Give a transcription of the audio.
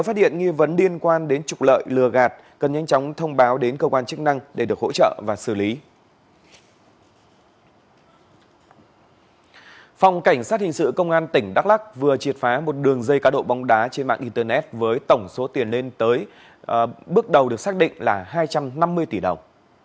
phòng cảnh sát hình sự công an tỉnh đắk lắc vừa triệt phá một đường dây cá độ bóng đá trên mạng internet với tổng số tiền lên tới bước đầu được xác định là hai trăm năm mươi tỷ đồng